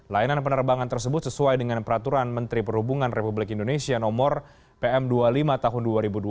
layanan penerbangan tersebut sesuai dengan peraturan menteri perhubungan republik indonesia nomor pm dua puluh lima tahun dua ribu dua puluh